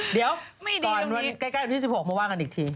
เดี๋ยวก่อนวันใกล้วันที่๑๖มาว่ากันอีกที